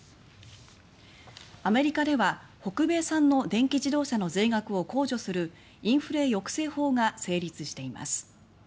アメリカでは北米産の電気自動車の税額を控除するインフレ抑制法が施行されています。